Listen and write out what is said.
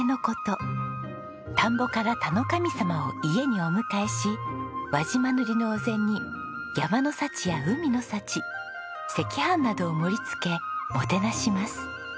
田んぼから田の神様を家にお迎えし輪島塗のお膳に山の幸や海の幸赤飯などを盛り付けもてなします。